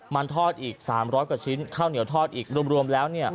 มันทอดอีก๓๐๐กว่าชิ้นข้าวเหนียวทอดอีกรวมแล้ว